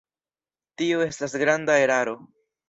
Tio estas granda eraro.